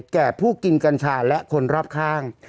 แก่ผู้กินกัญชาและคนรอบข้าง